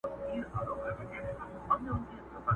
چي خپل خوب ته مي تعبیر جوړ کړ ته نه وې٫